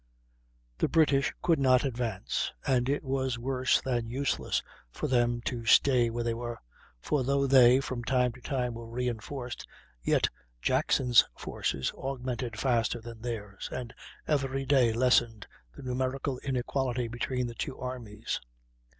The British could not advance, and it was worse than useless for them to stay where they were, for though they, from time to time, were reinforced, yet Jackson's forces augmented faster than theirs, and every day lessened the numerical inequality between the two armies.